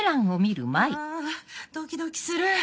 あドキドキする。